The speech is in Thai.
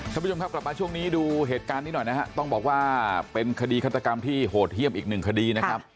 ท่านผู้ชมครับกลับมาช่วงนี้ดูเหตุการณ์นี้หน่อยนะฮะต้องบอกว่าเป็นคดีฆาตกรรมที่โหดเยี่ยมอีกหนึ่งคดีนะครับ